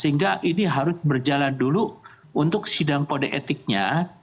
sehingga ini harus berjalan dulu untuk sidang kode etiknya